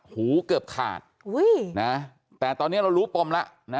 หูเกือบขาดอุ้ยนะแต่ตอนนี้เรารู้ปมล่ะนะ